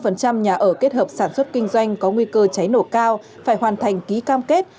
một trăm linh nhà ở kết hợp sản xuất kinh doanh có nguy cơ cháy nổ cao phải hoàn thành ký cam kết